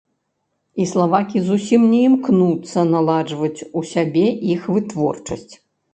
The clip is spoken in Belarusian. І славакі зусім не імкнуцца наладжваць у сябе іх вытворчасць.